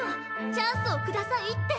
チャンスを下さいって！